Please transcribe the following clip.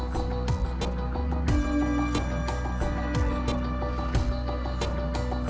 dan juga datang setengah